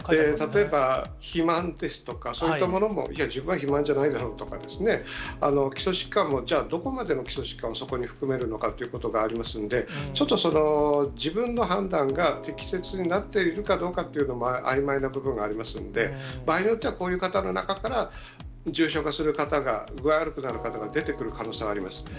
例えば肥満ですとか、そういったものも、いや、自分は肥満じゃないだろうとかですね、基礎疾患もじゃあ、どこまでの基礎疾患をそこに含めるのかということがありますので、ちょっとその自分の判断が、適切になっているかどうかというのも、あいまいな部分がありますので、場合によっては、こういう方の中から重症化する方が、具合が悪くなる方が出てくる可能性はあります。